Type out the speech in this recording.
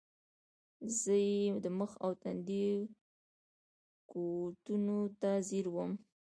زۀ ئې د مخ او تندي کوتونو ته زیر ووم ـ